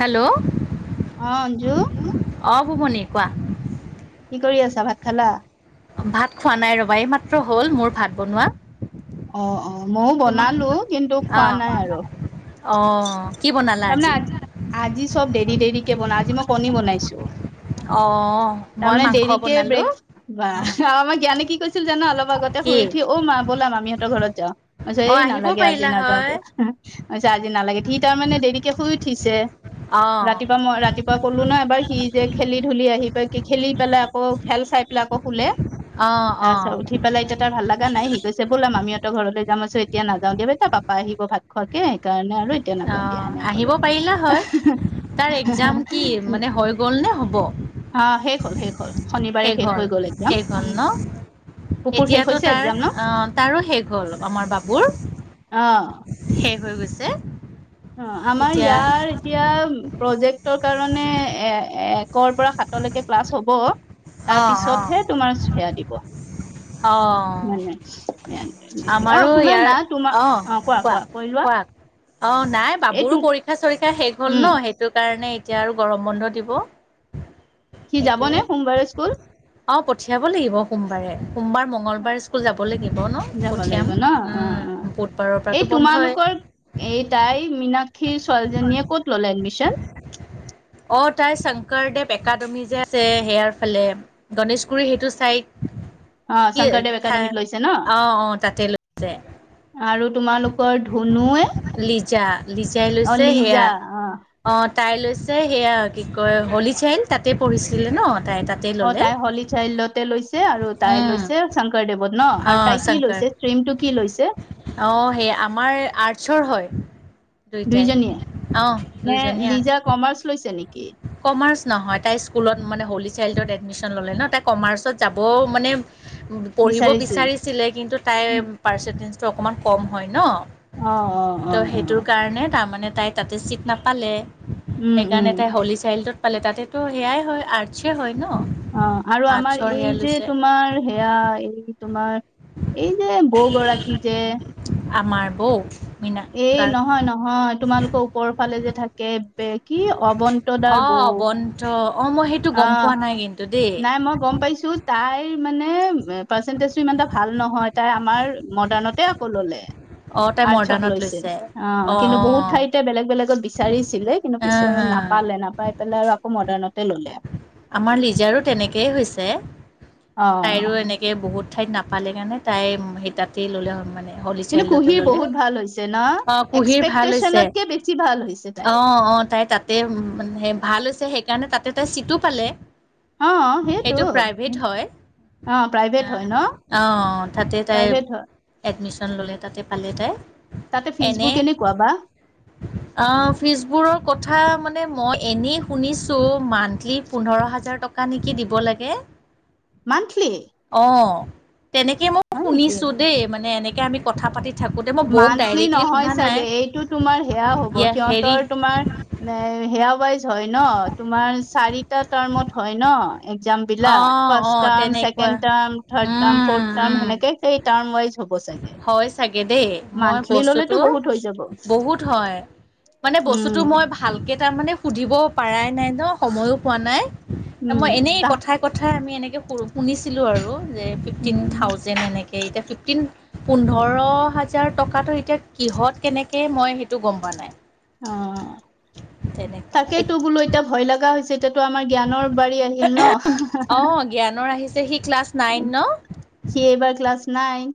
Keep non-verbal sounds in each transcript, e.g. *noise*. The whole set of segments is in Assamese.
হেল্ল, 'অ' অ' অঁ ভুবনি কোৱা, কি কৰি আছা ভাত খালা। ভাত খোৱা নাই ৰবা, এই মাত্ৰ হ'ল মোৰ ভাত বনোৱা,। অ' অ' মইও বনালো, কিন্তু খোৱা নাই আৰু। অ' কি বনালা আজি। আজি চব দেৰি দেৰিকে বনাই আজি মই কণী বনাইছোঁ। অ', মই মাংস বনালো। ব্ৰেক বা আৰু আমাৰ জ্ঞানে কিৈছিল জানো অলপ আগতে, শুই কি উঠি অ', মা বলাম আমিহঁতৰ ঘৰত যাওঁ। *unintelligible* অঁ এই, আহিব নালাগে আজি পাৰিলা নাযাওঁ হয় দিয়া আজি নালাগে, সি তাৰমানে দেৰিকে শুই উঠিছে, অঁ ৰাতিপুৱা মই ৰাতিপুৱ ক'লো ন এবাৰ সি যে, খেলি ধূলি আহি পাই কি খেলি পেলাই আকৌ খেল চাই পেলাই আকৌ শুলে অঁ অঁ তাৰিছত, উঠি পেলাই এতিয়া তাৰ ভাল লগা নাই, সি গৈছে ব'লাম আমি তৰ ঘৰলৈ যামছো, এতিয়া নাযাও দে, পাপা আহিব ভাত খোৱাকে, সেইকাৰণে আৰু তেতিয়া নাযাওঁ দিয়া, অঁ সেনেক আহিব কলো পাৰিলা হয় তাৰ এক্জাম কি মানে, হৈ গ'ল নে হ'ব অ', শেষ হ'ল, শেষ হ'ল, শনিবাৰে শেষ হ'ল হৈ গ'ল একজাম শেষ হ'ল উম। ন পুপুৰ শেষ এতিয়াতো, হৈছে তাৰ একজাম ন? অ', তাৰো শেষ হ'ল, আমাৰ বাবুৰ অ শেষ হৈ গৈছে। অ', আমাৰ এতিয়া ইয়াৰ এতিয়া প্ৰজেক্টৰ কাৰণে, এ একৰ পৰা সাতলৈকে ক্লাছ হ'ব। তাৰ অঁ অঁ পিছতহে, তোমাৰ সেয়া দিব। অঁ মানে, অ', আমাৰো শুনা ইয়াৰ না তোমাৰ, অ' কোৱা কোৱা কৈ লোৱা অ', নাই বাবুৰো এইটো পৰীক্ষা চৰিক্ষা শেষ হল উম ন সেই সেইটো কাৰণে, এতিয়া আৰু গৰম বন্ধ দিব। সি যাব সেইটোয়ে নে, সোমবাৰে স্কুল। অ', পঠিয়াব লাগিব সোমবাৰে। সোমবাৰ, মঙ্লবাৰ, স্কুল যাব লাগিব ন, যাব লাগিব পঠিয়াম ন অ অ উম বুধবাৰৰ এই পৰাতো বন্ধই। তোমালোকৰ এই টাই মীনাক্ষীৰ ছোৱালীজনীয়ে ক'ত ল'ল এডমিশন। অ', তাই শংকৰদেৱ একাডেমি, যে আছে সেয়াৰ ফালে গণেশগুৰি সেইটো চাইড অ', কি শংকৰদেৱ ঠাই একাডেমীত লৈছে ন। অ', অ', তাতে লৈছে আৰু তোমালোকৰ ধুনুে লিজা লিজাই অ লৈছে সেয়া লিজা অ', অ', তাই লৈছে সেয়া, কি কয় হলিচাইল তাতে পঢ়িছিলে ন তাই তাত অ', তাই হলী চাইল্ডতে লৈছে আৰু তাই উম, লৈছে শংকৰদেৱত ন আৰু অ', তাই কি শংকৰ লৈছে। কি লৈছে অ', সেই আমাৰ আৰ্টচৰ হয়। দুইটাই, দুইজনীয়ে অ', নে দুইজনী লিজা কমাৰ্চ লৈছে নেকি? কমাৰ্চ নহয়, তাই স্কুলত মানে হোলী চাইল্ডত এডমিচন ল'লে ন তাই কমাৰ্চত যাবও মানে পঢ়িব বিচাৰিছিল বিচাৰিছিলে, কিন্তু তাইৰ পাৰ্চেণ্টেজটো অকণমান কম হয় ন? অ অ অ ত' অ সেইটোৰ কাৰণে তাৰমানে তাই তাতে চিট নাপালে উম উম সেইকাৰণে। তাই হলী চাইল্ডটোত পালে, তাতেতো সেয়াই হয় আৰ্টচ হয় ন। অ', আৰু আমাৰ আৰ্টছৰ সেয়া এই যে লৈছে তোমাৰ সেয়া এই তোমাৰ এই যে বৌ গৰাকী যে আমাৰ বৌ এই মীনাকাৰ নহয়, নহয়, তোমালোকৰ ওপৰৰ ফালে যে থাকে কি অৱন্ত দাৰ বৌ ত' অঁ', মই সেইটো গম আহ পোৱা নাই কিন্তু দেই। নাই মই গম পাইছো তাইৰ মানে পাৰ্চেন্টেজটো ইমান এটা ভাল নহয় তাই আমাৰ মডাৰ্ণতে আকৌ ললে। অ', তাই মৰ্ডাৰ্ণত লৈছে। অ', কিন্তু বহুত ঠাইতে বেলেগ বেলেগত বিচাৰিছিলে কিন্তু পিছ আহ হা নাপালে নাপায় পেলাই আৰু আকৌ মডাৰ্ণতে ললে। আমাৰ লিজাৰো তেনেকেই হৈছে অ তাইৰো এনেকে বহুত ঠাইত নাপালে কাৰণে তাই সেইটাতেই ল'লে হ' মানে। কিন্তু হলিচাইডতে কুহিৰ ললে বহুত ভাল হৈছে ন অ', কুহিৰ ভাল হৈছে। এক্সপেক্টেশচনতকে বেছি ভাল হৈছে তাইৰ অ', অ', তাই তাতে ভাল হৈছে সেইকাৰণে তাতে তাই চিটো পালে। সেইটো প্ৰাইভেট হয়। অ প্ৰাইভেট হয় আহ ন আহ তাতে তাই প্ৰাইভেট হয় এডমিশন ল'লে তাতে পালে তাই। তাতে ফিজবোৰ এনে কেনেকুৱা বা? অ', ফিজবোৰৰ কথা মানে মই এনেই শুনিছো মন্থলী পোন্ধৰ হাজাৰ টকা নেকি দিব লাগে। মন্থলী? অ', তেনেকে মই নেকি? শুনিছো দেই মানে এনেকে আমি কথা পাতি থাকোঁতে মই বৌক মান্থলি ডাইৰেক্টলি নহয় সোধা নাই চাগে এইটো তোমাৰ সেয়া হ'ব ইয়া হেৰি সিহঁতৰ তোমাৰ হেয়া ৱাইজ হয় ন তোমাৰ চাৰিটা টাৰ্মত হয় ন এক্সাম বিলাক অ' ফাৰ্ষ্ট অ' টাৰ্ম, তেনেকুৱা ছেকেণ্ড টাৰ্ম, থাৰ্ড টাৰ্ম, উম, ফৰ্থ টাৰ্ম উম, সেনেকেই সেই টাৰ্ম ৱাইজ হ'ব চাগে। হয় চাগে দেই মই মান্থলি ললেতো বস্তুটো বহুত হৈ যাব বহুত হয় মানে বস্তুটো উম মই ভালকৈ তাৰমানে সুধিব পৰাই নাই ন সময়ো পোৱা নাই ত উম মই এনেই তা কথা কথা আমি এনেকৈঁ শুনিছিলোঁ আৰু যে ফিফটিন উম। থাউজেণ্ড এনেকৈ এতিয়া ফিফটিন পোন্ধৰ হাজাৰ টকাটো এতিয়া কিহত কেনেকে মই সেইটো গম পোৱা নাই। অ', তেনেকুৱা তাকেইতো বোলো এতিয়া ভয় লগা হৈছে। এতিয়াতো আমাৰ জ্ঞানৰ বাৰী আহিল ন। অঁ জ্ঞানৰ আহিছে সি ক্লাছ নাইন ন? সি এইবাৰ ক্লাছ নাইন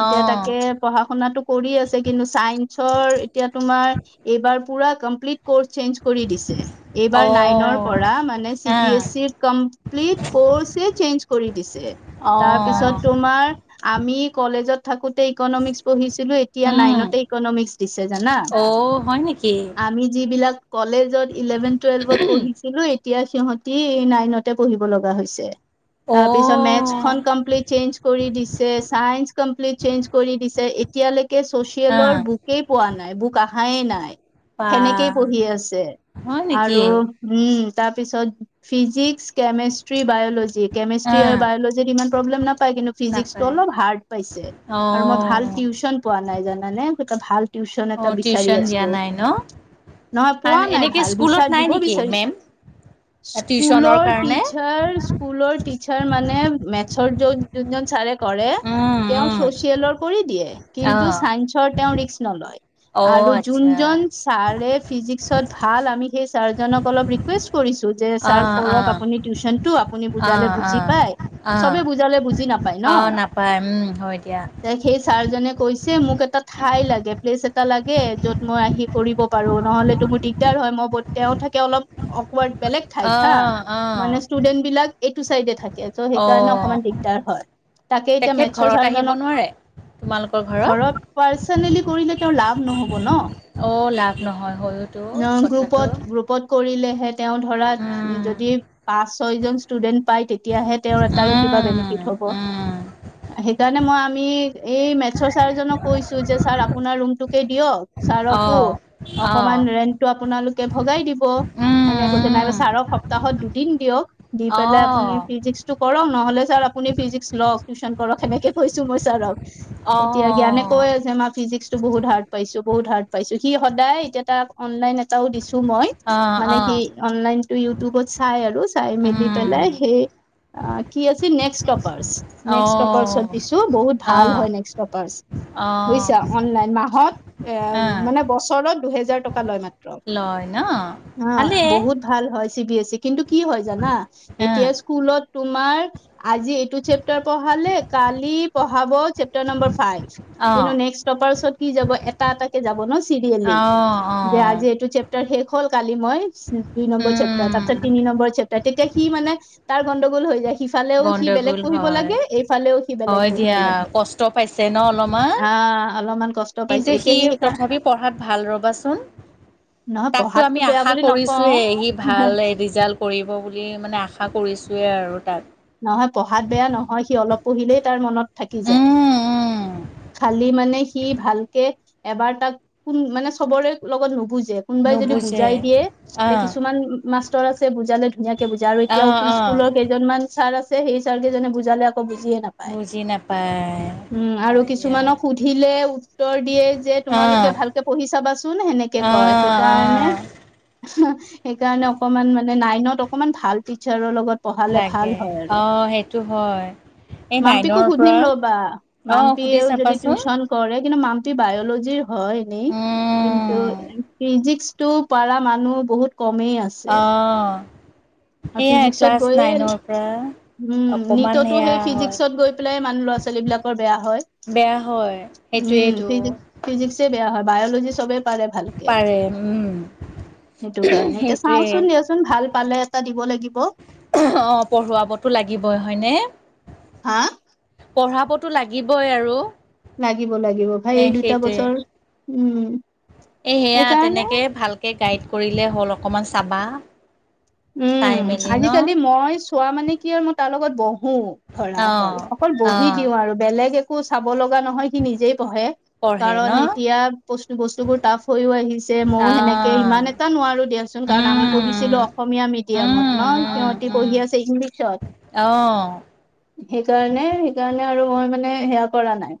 এতিয়া অঁ তাকে পঢ়া শুনাটো কৰি আছে কিন্তু চাইন ৰ এতিয়া তুমাৰ এইবাৰ পুৰা কমপ্লিট কৰ্চ চেঞ্জ কৰি দিছে।। এইবাৰ নাইনৰ অঁ পৰা মানে চি বি আহ এছ ইৰ কমপ্লিট কৰ্ছে চেঞ্জ কৰি দিছে। তাৰ অঁ পিছত তোমাৰ আমি কলেজত থাকোতে ইকনমিক্স পঢ়িছিলো। এতিয়া উম নাইনতে ইকনমিকস দিছে জানা অঁ হয় নেকি আমি যিবিলাক কলেজত ইলেভেন টুৱেল্ভত পঢ়িছিলো। এতিয়া সিহতি নাইনতে পঢ়িব লগা হৈছে তাৰপিছত মেথছ অঁ কমপ্লিট চেঞ্জ কৰি দিছে চাইস কমপ্লিট চেঞ্জ কৰি দিছে। এতিয়ালৈকে আহ ছচিয়েলৰ বুকেই পোৱা নাই বুক অহাই নাই। বা সেনেকেই পঢ়ি আছে হয় নেকি আৰু উম, তাৰপিছত ফিজিক্স, কেমেষ্ট্ৰি, বায়লজি কেমেষ্ট্ৰি আৰু আহ বায়লজি ইমান প্ৰব্লেম নাপায় কিন্তু ফিজিক্সটো নাপায় অলপ হাৰ্ড পাইছে আৰু মই অঁ ভাল টিউশ্যন পোৱা নাই জানানে এটা ভাল টিউশচন এটা অঁ বিচাৰি টিউচন দিয়া আছো নাই ন নহয় পোৱা আৰু নাই এনেকে ভাল স্কুলত বিচাৰ নাই দিব নেকি বিচাৰিছো। মেম টিউচনৰ স্কুলৰ কাৰণে টিচাৰ স্কুলৰ টিচাৰ মানে মেথছৰ যত যোনজন ছাৰে কৰে উম তেওঁ উম ছচিয়েলৰ কৰি দিয়ে কিন্তু আহ চাইন্ঞ্চৰ তেওঁ ৰিক্স নলয়। অ আৰু আচ্ছা যোনজন ছাৰে ফিজিক্সত ভাল আমি সেই ছাৰজনক অলপ ৰিকুৱেষ্ট কৰিছো যে ছাৰ আহ কৰক আহ আপুনি টিউশচনটো আপুনি বুজালে আহ বুজি আহ পায়। আহ চবে বুজালে বুজি নাপায় ন। আহ নাপায় উম হয় দিয়া তে সেই ছাৰজনে কৈছে মোক এটা ঠাই লাগে প্লেচ এটা লাগে য'ত মই আহি কৰিব পাৰোঁ, নহ'লেতো মোৰ দিগদাৰ হয়, মই তেওঁ থাকে অলপ অকমান বেলেগ ঠাইত হা, আহ আহ মানে ষ্টুডেণ্টবিলাক এইটো চাইডে থাকে য'ত অ সেইকাৰণে অকণমান দিগদাৰ হয়, তাকে এতিয়া তেখেত মেথছৰ ঘৰত আহিব ছাৰজনক নোৱাৰে ঘৰত পাৰ্চনেলি কৰিলে তেওঁৰ লাভ নহ'ব ন'। অ' লাভ নহয় হয়তো কথাটো। গ্ৰুপত গ্ৰুপত কৰিলেহে তেওঁ ধৰা উম যদি পাঁচ ছয় জন ষ্টুডেন্ট পায় তেতিয়াহে তেওঁৰ কিবা উম বেনিফিট হ'ব, উম সেইকাৰণে মই আমি এই মেথছৰ ছাৰজনক কৈছো যে ছাৰ আপোনাৰ ৰুমটোকে দিয়ক ছাৰকো অহ অহ অকমান ৰেন্টটো আপোনালোকে ভগাই দিব। উম সেনেক কৈ নাইবা উম ছাৰক সপ্তাহত দুদিন দিয়ক, দি পেলাই অহ আপুনি ফিজিক্সটো কৰক নহ'লে ছাৰ আপুনি ফিজিক্স লওক, টিউশচন কৰক সেনেকে কৈছো মই ছাৰক। এতিয়া জ্ঞানে কৈ অহ আছে আমাৰ ফিজিক্সটো বহুত হাৰ্ড। পাইছোঁ বহুত হাৰ্ড পাইছোঁ। সি সদায় এতিয়া তাক অনলাইন এটাও দিছোঁ, মই মানে লয় সি অনলাইনটো ইউটিউবত চাই আৰু চাই মেলি পেলাই সেই কি আছিল, নেক্স টপাৰ্চ নেক্স টপাৰ্চত দিছোঁ, বহুত ভাল হয় নেক্স টপাৰ্চ। বুজিছা অনলাইন মাহত এ, মানে বছৰত দুহেজাৰ টকা লয় মা ন অ' ভালেই বহুত ভাল হয় চি বি এছ চি, কিন্তু কি হয় জানা এতিয়া স্কুলত তোমাৰ আজি চেপটাৰ পঢ়ালে, কালি পঢ়াব চেপাৰ নম্বাৰ ফাইভ। অঁ কিন্তু নেক্স টপাৰ্চত কি যাব এটা এটাকে যাব ন' চিৰিয়েলি অঁ যে অঁ আজি এইটো চেপ টো শেষ হ'ল কালি মই দুই নম্বৰ চেপ্টাৰ উম তাৰপিছত তিনি নম্বৰ চেপ্তাৰ তেতিয়া সি মানে তাৰ গণ্ডগোল হৈ যায়। সিফালেও সি বেলেগ গণ্ডগোল পঢ়িব হয়, লাগে এইফালেও সি বেলেগ হয় পঢ়িব দিয়া লাগে কষ্ট পাইছে ন' অলপমান? আহ অলপমান কষ্ট কিন্তু পাইছে সি এতিয়া সেইকাৰ তথাপি পঢ়াত ভাল ৰবাচোন। নহয় তাকো আমি পঢ়াতটো বেয়া আশা বুলি কৰিছোয়ে, সি নকওঁ ভাল ৰিজাল্ট কৰিব বুলি মানে আশা কৰিছোঁয়েই আৰু তাত। নহয় পঢ়াত বেয়া নহয়, সি অলপ পঢ়িলেই তাৰ মনত থাকি যায়। উম উম খালি মানে স ভালকে এবাৰ তাক কোন মানে চবৰে লগত নুবুজে। কোনোবাই যদি নুবুজে বুজাই দিয়ে এতিয়া অঁ কিছুমান মাষ্টৰ আছে বুজালে ধুনীয়াকে বুজে আৰু এতিয়াও অঁ সি অঁ স্কুলৰ কেইজনমান ছাৰ আছে, সেই ছাৰকেইজনে বুজালে আকৌ বুজিয়ে নাপায়। বুজি নাপায়। উ উম, আৰু হয় দিয়া কিছুমানক সুধিলে উত্তৰ দিয়ে যে অ', তোমালোকে ভালকে পঢ়ি চাবাচোন সেনেকে কয়। অ', সেইকাৰণে অ'। সেইকাৰণে অকমান মানে নাইনত অকমান ভাল টিচাৰৰ লগত পঢ়ালে ভাল লাগে হয় আৰু অ' সেইটো হয়। এই মাম্পীকো নাইনৰ পৰা সুধিম ৰ'বা, অ', সুধি মাম্পীয়েও যদি চাবাচোন টিউচন কৰে কিন্তু মাম্পি বায়লজিৰ হয় এনেই কিন্তু উম, ফিজিক ফিজিকটো পাৰা মানুহ বহুত কমেই আছে। অ' আৰু সেইয়াই ফিজিক্সত ক্লাছ গৈয়ে নাইনৰপৰা উম, নিটতো সেই ফিজিক্সত গৈ পেলাই মানুহ ল'ৰা ছোৱালীবিলাকৰ বেয়া হয়। বেয়া হয়, সেইটোৱে ফিজ-ফিজিক্সে বেয়া হয়, বায়'লজি চবে পাৰে ভাল। পাৰে উম, সেইটো কাৰণে, এতিয়া সেইটোৱে চাওচোন, দিয়াচোন ভাল পালে এটা দিব লাগিব। অ' পঢ়ুৱাবতো লাগিবই হয়নে? হা? পঢ়াবতো লাগিবই আৰু। লাগিব লাগিব, বা এ এই দুটা বছৰ উম। এই সেয়া সেইকাৰণে তেনেকৈ ভালকৈ গাইড কৰিলে হ'ল। অকণমান চাবা চাই উম মেলি ন আজিকালি, মই চোৱা মানে কি আৰু মই তাৰ লগত বহো। ধৰা অ অকল অকল অ বহি দিওঁ আৰু বেলেগ একো চাব লগা নহয় কি নিজেই পঢ়ে। পঢ়ে ন কাৰণ এতিয়া বস্তু বস্তু বোৰ টাফ হৈও আহিছে মইো অ সেনেকে ইমান নোৱাৰো দিয়কচোন কাৰণ আমি উম পঢ়িছিলো। অসমীয়া উম মিডিয়ামত ন উম সিহঁতি উম পঢ়ি আছে ইংলিছত অ সেইকাৰণে সেইকাৰণে আৰু মই মানে সেয়া কৰা নাই।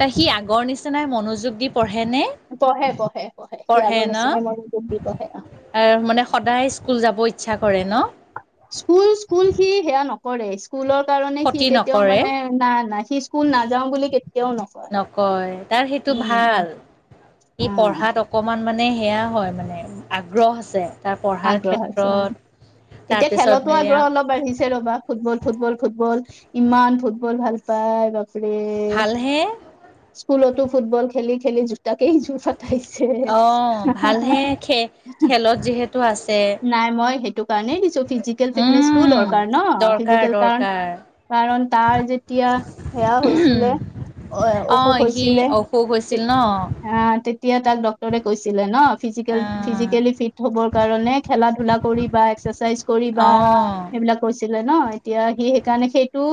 তাই সি আগৰ নিচিনাই মনোযোগ দি পঢ়ে নে? পঢ়ে পঢ়ে পঢ়ে সি আগৰ নিচিনা মনযোগ দি পঢ়ে। তাৰ মানে সদায় স্কুল যাব ইচ্ছা কৰে ন? স্কুল স্কুল সি সেয়া নকৰে স্কুলৰ কাৰণে সি ক্ষতি কেতিয়াও নকৰে মানে না না সি স্কুল নাযাও বুলি কেতিয়াও ন নকয় তাৰ সেইটো ভাল। ই আ, পঢ়াত অ অকণমান মানে সেয়া হয় মানে আগ্ৰহ আছে। তাৰ পঢ়াৰ আগ্ৰহ আছে ক্ষেত্ৰত অ' এতিয়া তাৰপিছত খেলতো নেৰিয়া আগ্ৰহ অলপ বাঢ়িছে ৰ'বা। ফুটবল ফুটবল ফুটবল ইমান ফুটবল ভাল পায় বাপৰে। হে? স্কুলতো ফুটবল খেলি খেলি তাক জোৰ পতাইছে। অঁ টো আছে। নাই মই সেই কাৰণে কিছ ফিজিকেল ফিটনেছ টো উম দৰকাৰ ন। দৰকাৰ ফিজিকেল কাৰণ দৰকাৰ কাৰণ তাৰ যেতিয়া সেয়া হৈছিলে অ অ', সি অসুখ হৈছিল ন? অ তেতিয়া তাক ডটৰে কৈছিলে ন ফিজিকেল আহ ফিজিকেলি ফিট হ'বৰ কাৰণে খেলা ধূলা কৰিব এক্সাৰচাইজ কৰিবা অঁ সেইবিলাক কৈছিলে ন এতিয়া সি সেইকাৰণে সেইটো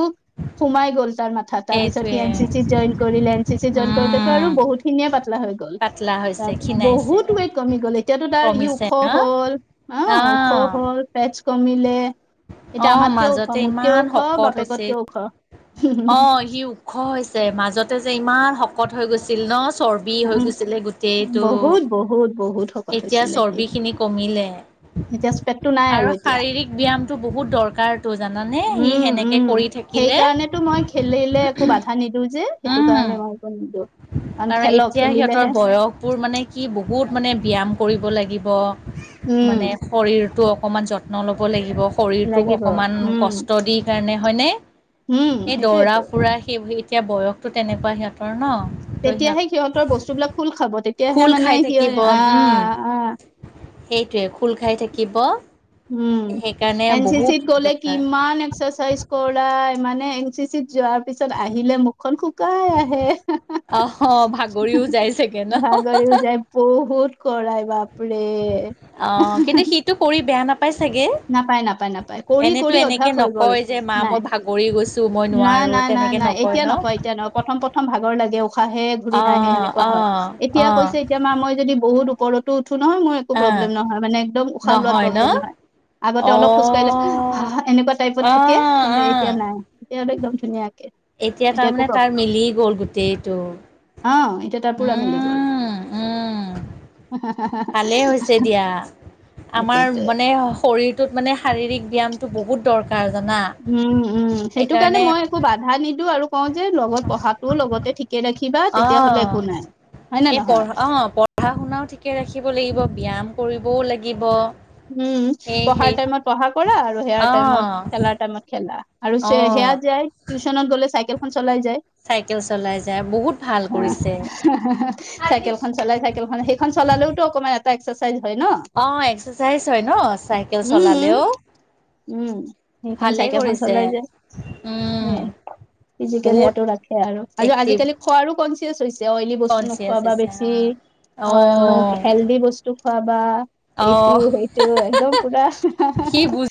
সোমাই গ'ল তাৰ মথা তাৰ পিছত সেইটোৱে সি এন চি চিত জইন কৰিলে। চি জইন কৰোতেতো আৰু উম বহুতখিনিয়ে পাতলা হৈ গ'ল। পাতলা হৈছে তাৰ ক্ষীণাইছে বহুত বে কমি গ'ল এতিয়াতো তাৰ ইি কমিছে ওখ ন হল হ ওখ অঁ হল। ফেটছ কমিলে এতিয়া অঁ আমাতকে ওখ মাজতে মোতকে ইমান ওখ বাপেকতকে ওখ। অ', সি ওখ হৈছে মাজতে যে ইমান শকত হৈ গৈছিল ন চৰ্বি হৈ গৈছিলে গোটেইটো। বহুত বহুত বহুত শকত এতিয়া হৈছিলে সি চৰ্বি খিনি এতিয়া পেটটো নাই আৰু এতিয়া শাৰিৰীক ব্যায়ামটো বহুত দৰকাৰতো জানানে সি সেনেকৈ কৰি থাকিলে টো মই খেলিলে একো বাধা নিদিো যে সেইটো কাৰণে মই একো নিদো। কাৰ এতিয়া সিহঁতৰ বয়সবোৰ মানে কি বহুত মানে ব্যয়াম কৰিব লাগিব। উম, মানে শৰীৰটো অকণমান যত্ন ল'ব লাগিব শৰীৰটোক লাগিব অকণমান উম, কষ্ট দি সেই কাৰণে হয়নে উম, সেই দৰা সেইটোয়েতো। ফুৰা সেই এতিয়া বয়সতো তেনেকুৱা সিহঁতৰ ন। ত সিহঁত তেতিয়াহে সিহঁতৰ বস্তুবলাক খোল খাব তেতিয়াহে খোল খাই মানে সি থাকিব উম আহ সেইটোৱে খোল খাই থাকিব। উম সেইকাৰণে এন চি চি বহুত কলে কি দৰকাৰ ইমান এক্সচাইজ কল মানে এন চি চি যোৱা তাৰপিছত আহিলে মুখখন শুকাই আহে। অ', ভাগৰিও যাই চাগে ভাগৰিও ন? যায় বহুত কৰাই বাপৰে। টো কৰি বেয়া নাপায় চাগে? নাপায় নাপায় নাপায় কৰি এনেতো কৰি এনেকে অঠাস হৈ গল নকয় যে মা নাই মই ভাগৰি গৈছো মই না নোৱাৰো না না তেনেকে নাই। এতিয়া ন? নকয়, এতিয়া নহয় প্ৰথম প্ৰথম ভাগৰ লাগে উশাহে ঘূৰি নাহে অ' সেনেকুৱা হয় অ' এতিয়া অ' কৈছে এতিয়া মা মই যদি বহুত ওপৰতো উঠো নহয় মোৰ একো অ' প্ৰব্লেম নহয় মানে একদম উশাহ লোৱাত নহয় ন? প্ৰব্লেম নহয়। আগতে অলপ খোজ কঢ়িলে অ' হাঁ এনেকুৱা টাইপত থাকে, অ' কিন্তু তয়া অ' নাই, এতিয়া একদম ধুনীয়া কে। এতিয়া একো্ তাৰমানে প্ৰ, তাৰ মিলি গ'ল গোটেইটো। আহ এতিয়া তাৰ পুৰা মিলি গল। উম উম *unintelligible* ভালেই হৈছে দিয়া, আমাৰ তাকেতো। মানে শৰীৰ ত মানে শাৰীৰিক ব্যায়ামটো বহুত দৰকাৰ। কাৰ জানা। উম উম, সেইটো কাৰণে এইকাৰণে মই একো বাধা নিদিওঁ আৰু কওঁ যে লগত পঢ়াটোও লগতে ঠিক ৰাখিবা তেতিয়া হলে অ' একো নাই, হয় নে এই নহয়। পঢ়া অ' পঢ়া শুনাও ঠিকে ৰাখিব লাগিব ব্যায়াম কৰিবও লাগিব। উম, সেই সেই পঢ়াৰ টাইমত পঢ়া কৰা আৰু সেয়াৰ অ' টাইমত খেলাৰ টাইমত খেলা। আৰু সেয়া অ' যায় টিউশচনত গলে চাইকেলখন চলাই যায়। চাইকেল চলাই যায় বহুত ভাল কৰিছে। চাইকেলখন চলাই চাইকেলখন সেইখন চলালেওতটো অকমান এটা এক্সাৰচাইজ হয় ন। অ' এক্সাৰচাইজ হয় ন চাইকেল উম, চলালেও। উম, সেইখন ভালে চাইকেখন কৰিছে। চলাই যায়, স উম, ফিজিকেল বহুত সেহাতটো ৰাখে আৰু, এক্টিভ আজিকালি খোৱাৰো কনচিয়াচ হৈছে অইলি বস্তু নোখোৱা, কনচিয়াছ বা হৈছে বেছি অ' মোক হেল্ডি বস্তু টো খোৱা বা। অ'। তু সেইটো একদম পুৰা। সি বুজ